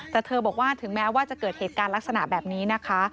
แต่เธอบอกว่าถึงแม้ว่าจะเกิดเหตุการณ์ลักษณะแบบนี้นะคะ